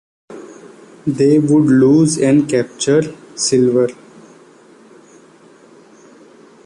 They would lose and capture silver.